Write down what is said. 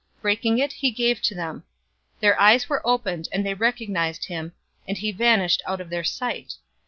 Breaking it, he gave to them. 024:031 Their eyes were opened, and they recognized him, and he vanished out of their sight.